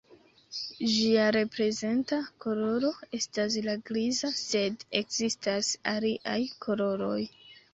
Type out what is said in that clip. Ĝia reprezenta koloro estas la griza, sed ekzistas aliaj koloroj.